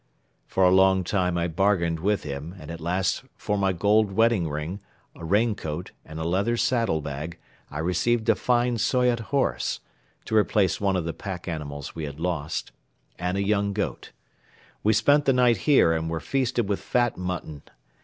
For a long time I bargained with him and at last for my gold wedding ring, a raincoat and a leather saddle bag I received a fine Soyot horse to replace one of the pack animals we had lost and a young goat. We spent the night here and were feasted with fat mutton.